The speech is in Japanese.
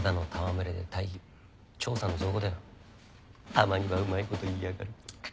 たまにはうまいこと言いやがる。